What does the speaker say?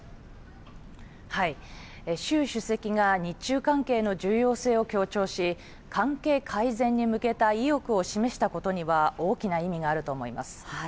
習主席が日中関係の重要性を強調し、関係改善に向けた意欲を示したことには大きな意味があると思います。